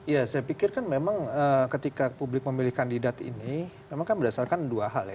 ya saya pikir kan memang ketika publik memilih kandidat ini memang kan berdasarkan dua hal ya